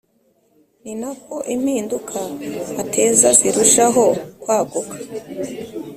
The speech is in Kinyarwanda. ni nako impinduka ateza zirushaho kwaguka,